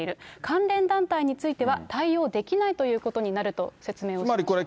関連団体については対応できないということになると説明をしまし